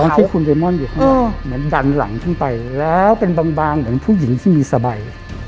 ซ้อนที่คุณเรม่อนอยู่อืมมันดันหลังขึ้นไปแล้วเป็นบางบางเหมือนผู้หญิงที่มีสบาย